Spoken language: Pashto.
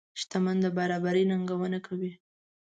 شتمن د برابرۍ ننګونه کوي.